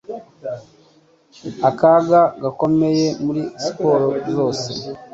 akaga gakomeye muri siporo zose.